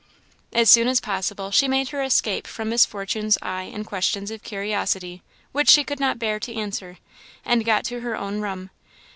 As soon as possible, she made her escape from Miss Fortune's eye and questions of curiosity, which she could not bear to answer, and got to her own room.